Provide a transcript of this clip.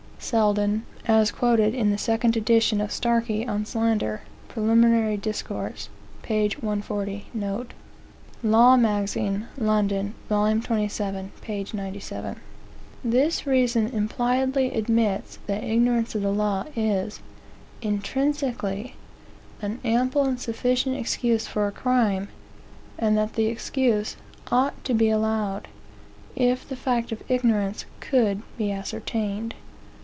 Selden, (as quoted in the 2d edition of Starkie on Slander, Prelim. Disc., p. 140, note.)" Law Magazine, (London,) vol. 27, p. 97. This reason impliedly admits that ignorance of the Law is, intrinsically, an ample and sufficient excuse for a crime; and that the excuse ought to be allowed, if the fact of ignorance could but be ascertained.